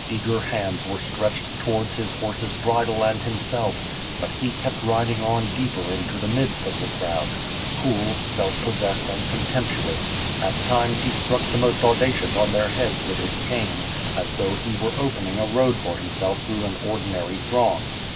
Eager hands were stretched towards his horse's bridle and himself, but he kept riding on deeper into the midst of the crowd; cool, self possessed and contemptuous, at times he struck the most audacious on their heads with his cane, as though he were opening a road for himself through an ordinary throng.